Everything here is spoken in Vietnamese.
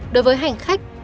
đối với hành khách